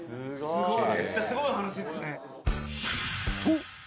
「すごい！めっちゃすごい話ですね！」